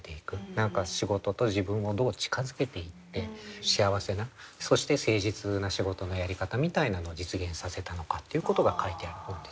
何か仕事と自分をどう近づけていって幸せなそして誠実な仕事のやり方みたいなのを実現させたのかっていうことが書いてある本ですね。